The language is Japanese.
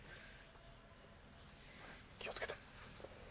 気を付けて。